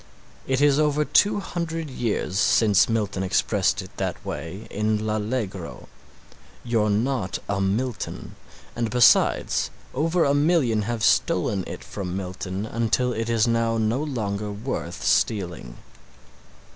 It is over two hundred years since Milton expressed it that way in "L'Allegro." You're not a Milton and besides over a million have stolen it from Milton until it is now no longer worth stealing.